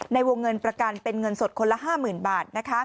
ในวงเงินประกันเป็นเงินสดคนละ๕๐๐๐บาท